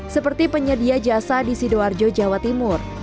seperti penyedia jasa di sidoarjo jawa timur